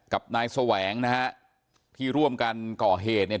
กับนายแสวงนะฮะที่ร่วมกันก่อเหตุเนี่ย